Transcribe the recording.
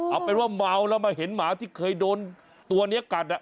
เอาเป็นว่าเมาแล้วมาเห็นหมาที่เคยโดนตัวนี้กัด